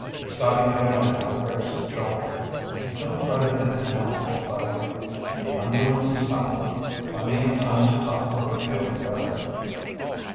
Scotty put a hand on Rick's shoulder. "Don't try to think now, old buddy. The ambulance is coming. Plenty of time to talk when you're feeling better."